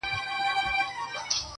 اې تاته وايم دغه ستا تر سترگو بـد ايسو,